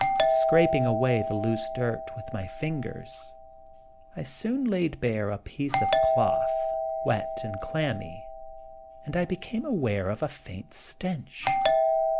Scraping away the loose dirt with my fingers I soon laid bare a piece of cloth, wet and clammy, and I became aware of a faint stench.